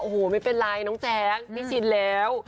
โอ้โหไม่เป็นไรน้องแจ๊คพี่ชินแล้ว